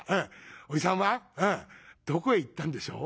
『おじさんはどこへ行ったんでしょう？』。